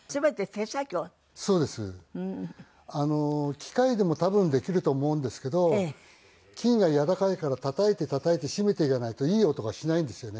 機械でも多分できると思うんですけど金が軟らかいからたたいてたたいて締めてじゃないといい音がしないんですよね。